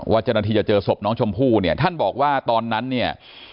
เจ้าหน้าที่จะเจอศพน้องชมพู่เนี่ยท่านบอกว่าตอนนั้นเนี่ย